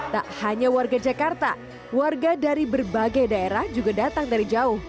tak hanya warga jakarta warga dari berbagai daerah juga datang dari jauh